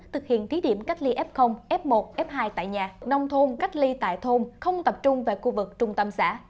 thực hiện thí điểm cách ly f f một f hai tại nhà nông thôn cách ly tại thôn không tập trung về khu vực trung tâm xã